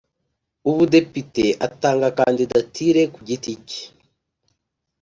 Ubudepite atanga kandidatire ku giti cye